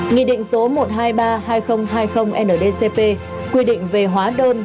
nghị định số một trăm hai mươi ba hai nghìn hai mươi ndcp quy định về hóa đơn